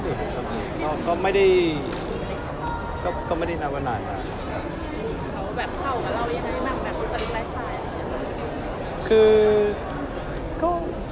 แบบเข้ากับเรายังไงบ้างแบบมุตตริกไลฟ์สไตล์